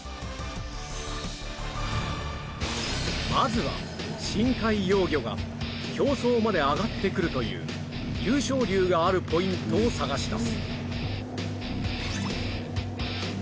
まずは深海幼魚が表層まで上がってくるという「湧昇流」があるポイントを探し出す！